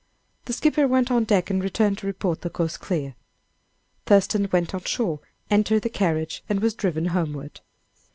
The skipper went on deck and returned to report the coast clear. Thurston then went on shore, entered the carriage, and was driven homeward.